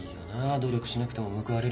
努力しなくても報われるヤツは。